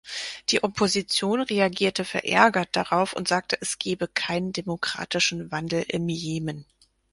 Die Opposition reagierte verärgert darauf und sagte, es gebe keinen demokratischen Wandel im Jemen.